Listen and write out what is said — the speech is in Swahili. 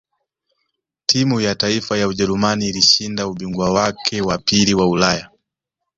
timu ya taifa ya ujerumani ilishinda ubingwa wake wa pili wa ulaya